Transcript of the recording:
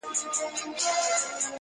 د خدای د عرش قهر د دواړو جهانونو زهر.